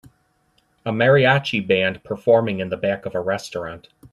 A Mariachi band performing in the back of a restaurant.